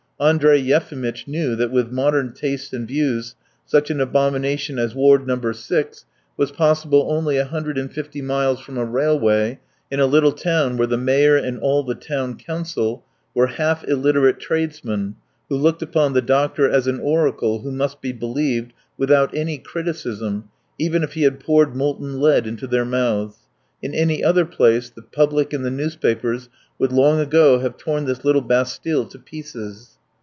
Andrey Yefimitch knew that with modern tastes and views such an abomination as Ward No. 6 was possible only a hundred and fifty miles from a railway in a little town where the mayor and all the town council were half illiterate tradesmen who looked upon the doctor as an oracle who must be believed without any criticism even if he had poured molten lead into their mouths; in any other place the public and the newspapers would long ago have torn this little Bastille to pieces.